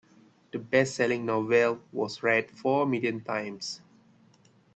The bestselling novel was read four million times.